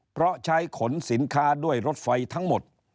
เพราะใช้ขนสินค้าด้วยรถไฟทั้งหมด